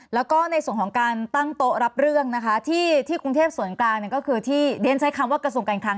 แล้วก็ในส่วนของการตั้งโต๊ะรับเรื่องนะคะที่กรุงเทพส่วนกลางก็คือที่เรียนใช้คำว่ากระทรวงการคลัง